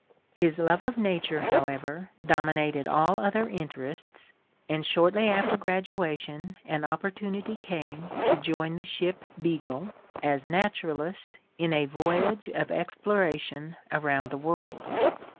His love of nature, however, dominated all other interests, and shortly after graduation an opportunity came to join the ship "Beagle" as naturalist in a voyage of exploration around the world.